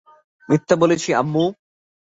মিথ্যা বলেছি, আম্মু!